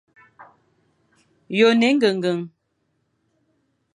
Ye one engengen?